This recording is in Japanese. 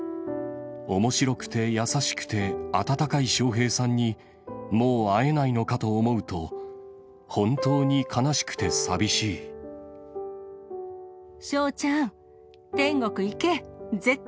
おもしろくて優しくて、温かい笑瓶さんに、もう会えないのかと思うと、笑ちゃん、天国行け、絶対！